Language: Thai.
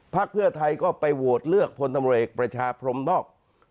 พักเพื่อไทยก็ไปโวตเลือกพลตมเอกบริชาบรมนอก